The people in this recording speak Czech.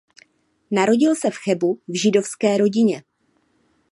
Narodil se v Chebu v židovské rodině.